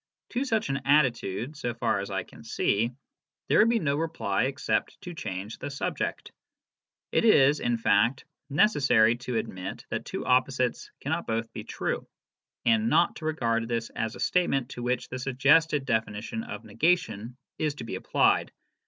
To such an attitude, so far as I can see, there would be no reply except to change the subject. It is, in fact, necessary to admit that two opposites cannot both be true, and not to regard this as a statement to which the suggested definition of negation is to be applied.